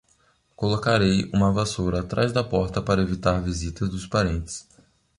Colocarei uma vassoura atrás da porta para evitar visitas dos parentes